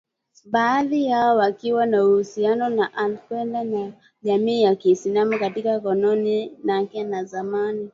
baadhi yao wakiwa na uhusiano na al Qaeda na jamii ya kiislamu katika koloni lake la zamani